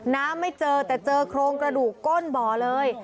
ไม่เจอแต่เจอโครงกระดูกก้นบ่อเลย